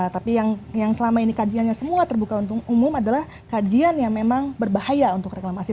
tapi yang selama ini kajiannya semua terbuka untuk umum adalah kajian yang memang berbahaya untuk reklamasi